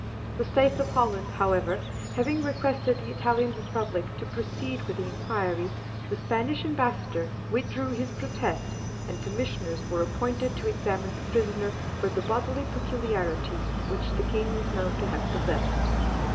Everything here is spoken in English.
The States of Holland, however, having requested the Italian Republic to proceed with the inquiry, the Spanish ambassador withdrew his protest, and commissioners were appointed to examine the prisoner for the bodily peculiarities which the king was known to have possessed.